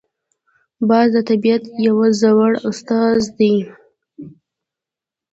باز د طبیعت یو زړور استازی دی